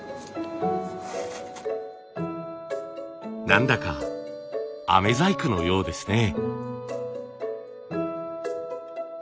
なんだか飴細工のようですね。